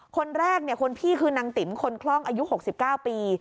คนแรกคนพี่คือนางติ๋มคนคล่องอายุ๖๙ปี